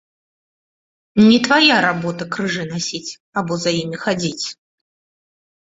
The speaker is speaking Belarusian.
Не твая работа крыжы насіць або за імі хадзіць.